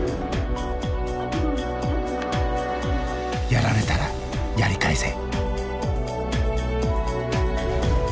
「やられたらやり返せ」。